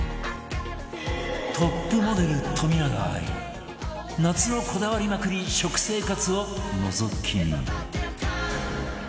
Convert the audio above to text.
トップモデル冨永愛夏のこだわりまくり食生活をのぞき見